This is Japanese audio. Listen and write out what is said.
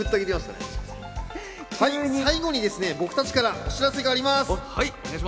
最後にですね、僕たちからお知らせがあります。